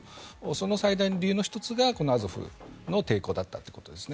その最大の理由の１つがこのアゾフの抵抗だったんです。